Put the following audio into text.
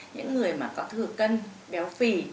những người có thừa cân béo phì